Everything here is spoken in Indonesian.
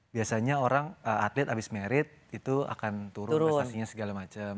biasanya orang atlet abis merit itu akan turun prestasinya segala macam